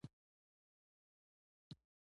ویلای شئ چې په پورتنیو انځورونو کې ماشومان څه کوي؟